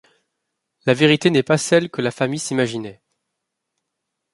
La vérité n'est pas celle que la famille s'imaginait.